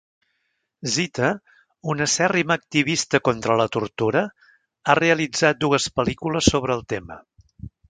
Zita, una acèrrima activista contra la tortura, ha realitzat dues pel·lícules sobre el tema.